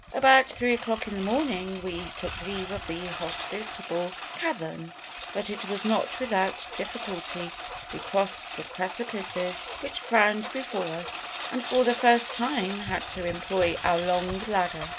"About three o'clock in the morning we took leave of the hospitable cavern, but it was not without difficulty we crossed the precipices which frowned before us, and for the first time had to employ our long ladder.